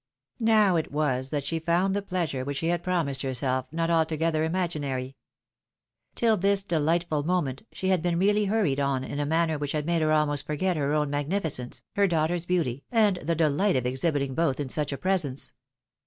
Now it was that she found the pleasure which she liad promised herself not altogether imaginary. Till this delightful moment, she had been really hurried on in a manner .#^/^?^x.^^ <?^ .^.v/'M/g^ C^ ^'U' ,c t^.iX'C? a MEs. o'donagough at cotjkt. 341 which had made her almost forget her own magnificence, her daughter's beauty, and the delight of exhibiting both in such a presence.